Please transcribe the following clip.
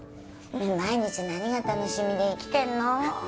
毎日何が楽しみで生きてんの？